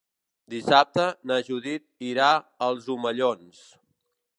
Dissabte na Judit irà als Omellons.